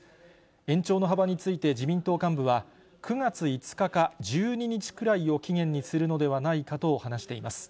延長の幅について自民党幹部は、９月５日か１２日くらいを期限にするのではないかと話しています。